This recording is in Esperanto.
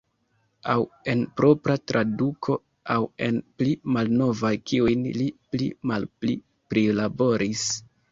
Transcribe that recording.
Aŭ en propra traduko, aŭ en pli malnovaj kiujn li pli malpli prilaboris.